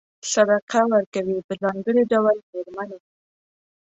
صدقه ورکوي په ځانګړي ډول مېرمنې.